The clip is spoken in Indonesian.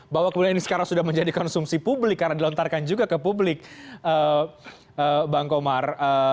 bahwa kemudian ini sekarang sudah menjadi konsumsi publik karena dilontarkan juga ke publik bang komar